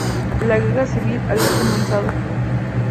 La guerra civil había comenzado.